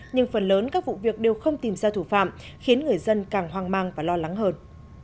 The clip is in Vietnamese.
nhưng phần lớn các vụ việc đều không tìm ra thủ phạm khiến người dân càng hoang mang và lo lắng hơn